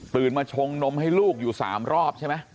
มาชงนมให้ลูกอยู่๓รอบใช่ไหม